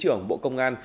thứ trưởng bộ công an